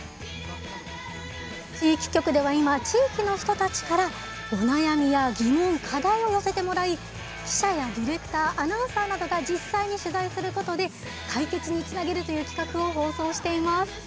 地域局では今、地域の人たちからお悩みや疑問課題を寄せてもらい記者やディレクターアナウンサーなどが実際に取材することで解決につなげるという企画を放送しています。